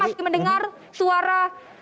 saya masih mendengar suara